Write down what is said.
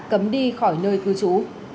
cấm đi khỏi nơi cư trú